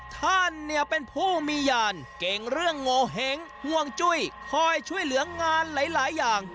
ท่านเนี่ยเป็นผู้มียานเก่งเรื่องโงเห้งห่วงจุ้ยคอยช่วยเหลืองานหลายอย่าง